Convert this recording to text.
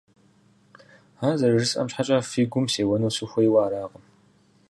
Ар зэрыжысӀэм щхьэкӀэ фи гум сеуэну сыхуейуэ аракъым…